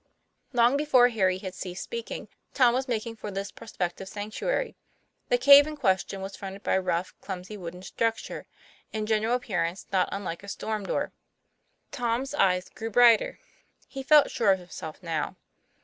Long before Harry had ceased speaking, Tom was making for this prospective sanctuary. The cave in question was fronted by a rough, clumsy, wooden structure, in general appearance not unlike a storm door. Tom's eyes grew brighter. He felt sure of him self now.